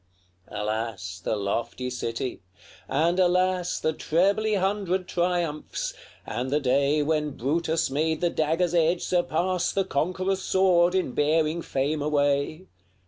LXXXII. Alas, the lofty city! and alas The trebly hundred triumphs! and the day When Brutus made the dagger's edge surpass The conqueror's sword in bearing fame away!